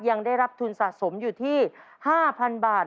ยังได้รับทุนสะสมอยู่ที่๕๐๐๐บาท